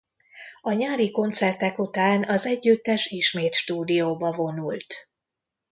A nyári koncertek után az együttes ismét stúdióba vonult.